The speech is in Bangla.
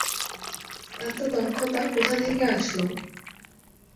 এত দক্ষতা কোথা থেকে আসলো!